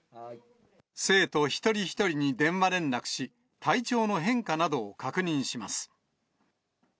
生徒一人一人に電話連絡し、体調の変化などを確認します。